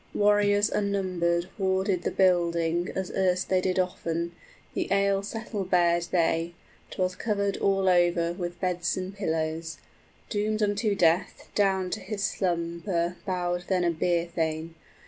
Warriors unnumbered warded the building As erst they did often: the ale settle bared they, 'Twas covered all over with beds and pillows. {A doomed thane is there with them.} Doomed unto death, down to his slumber 50 Bowed then a beer thane.